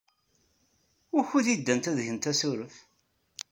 Wukud ay ddant ad gent asurf?